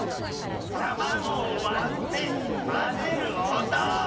たまごをわってまぜるおと！